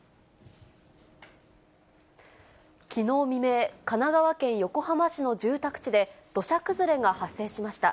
きのう未明、神奈川県横浜市の住宅地で、土砂崩れが発生しました。